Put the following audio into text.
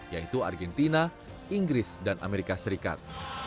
yaitu argentina inggris dan amerika serikat